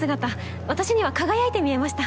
私には輝いて見えました。